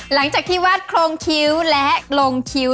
หลังจากที่วาดโครงคิ้วและลงคิ้ว